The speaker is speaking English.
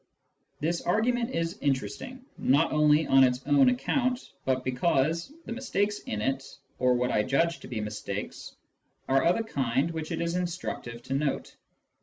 This argument is interesting, not only on its own account, but because the mistakes in it (or what I judge to be mistakes) are of a kind which it is instructive to note.